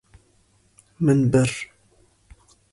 Min bir.